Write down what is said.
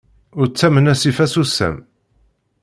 Ur ttamen asif asusam.